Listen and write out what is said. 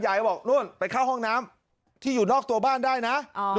บอกนู่นไปเข้าห้องน้ำที่อยู่นอกตัวบ้านได้นะ